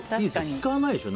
聞かないでしょ？